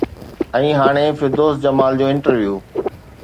۽ هاڻي فردوس جمال جو انٽرويو